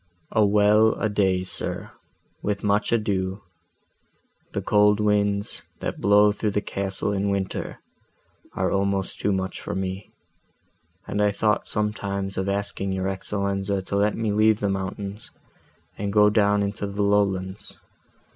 "A well a day, sir, with much ado; the cold winds, that blow through the castle in winter, are almost too much for me; and I thought sometimes of asking your Excellenza to let me leave the mountains, and go down into the lowlands.